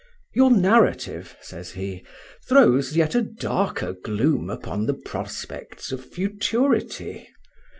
"Your narrative," says he, "throws yet a darker gloom upon the prospects of futurity.